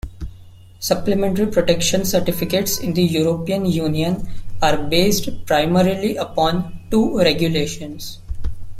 Supplementary protection certificates in the European Union are based primarily upon two regulations.